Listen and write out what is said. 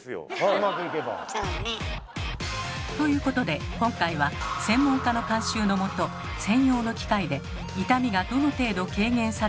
うまくいけば。ということで今回は専門家の監修のもと専用の機械で痛みがどの程度軽減されるのか実験。